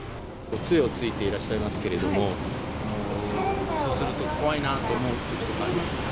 つえをついていらっしゃいますけれども、そうすると怖いなと思うこととかありますか？